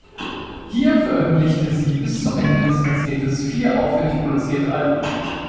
Hier veröffentlichte sie bis zum Ende des Jahrzehnts vier aufwendig produzierte Alben.